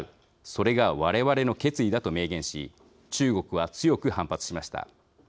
それがわれわれの決意だ」と明言し中国は強く反発しました。